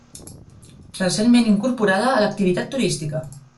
Recentment incorporada a l'activitat turística.